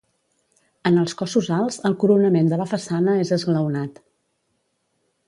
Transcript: En els cossos alts el coronament de la façana és esglaonat.